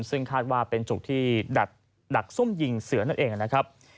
ซึ่งคาดว่าเป็นจุกที่ดักซุ่มยิงเสือนั่นเองนะครับ